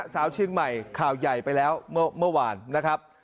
สาวเชียงใหม่ข่าวใหญ่ไปแล้วเมื่อวานนะครับ